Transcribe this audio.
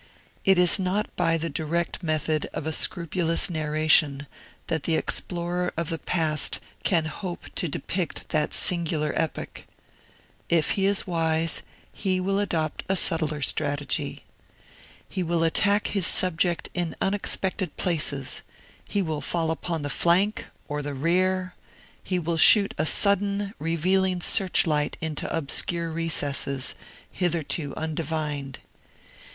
It is not by the direct method of a scrupulous narration that the explorer of the past can hope to depict that singular epoch. If he is wise, he will adopt a subtler strategy. He will attack his subject in unexpected places; he will fall upon the flank, or the rear; he will shoot a sudden, revealing searchlight into obscure recesses, hitherto undivined.